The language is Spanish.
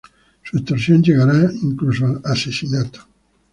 Su extorsión llegará incluso al asesinato.